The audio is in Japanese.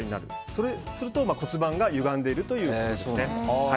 そうすると骨盤がゆがんでいるということですね。